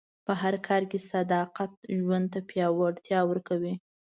په هر کار کې صداقت ژوند ته پیاوړتیا ورکوي.